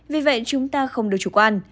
vì vậy chúng ta không được chủ quan